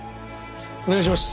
お願いします。